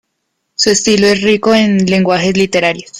Su estilo es rico en lenguajes literarios.